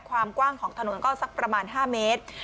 ความกว้างของถนนก็สักประมาณ๕เมตร